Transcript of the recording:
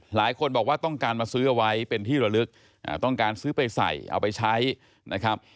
หลายคนบอกว่าต้องการมาซื้อเอาไว้เป็นที่ระลึกต้องการซื้อไปใส่เอาไปใช้นะครับ